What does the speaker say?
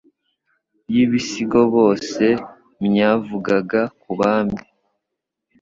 y'ibisigo bose myavugaga ku bami